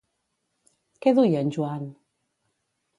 Què duia en Joan?